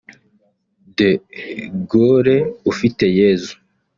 De Gaule Ufiteyezu